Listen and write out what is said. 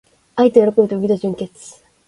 愛と喜びと美と純潔